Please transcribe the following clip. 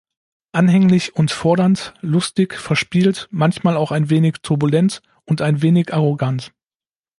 Anhänglich und fordernd, lustig, verspielt, manchmal auch ein wenig turbulent und ein wenig arrogant.